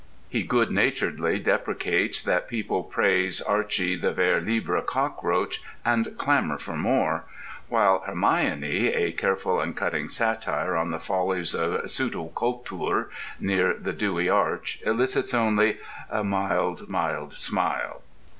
He good naturedly deprecates that people praise "Archy the Vers Libre Cockroach" and clamour for more; while "Hermione," a careful and cutting satire on the follies of pseudokultur near the Dewey Arch, elicits only "a mild, mild smile."